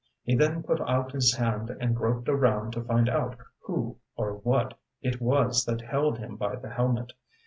He then put out his hand and groped around to find out who or what it was that held him by the helmet.